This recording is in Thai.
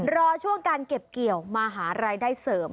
รอช่วงการเก็บเกี่ยวมาหารายได้เสริม